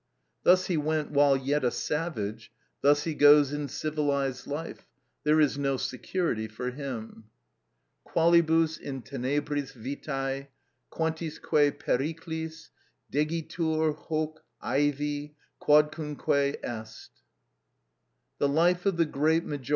Thus he went while yet a savage, thus he goes in civilised life; there is no security for him. "Qualibus in tenebris vitæ, quantisque periclis Degitur hocc' ævi, quodcunque est!"—LUCR. ii.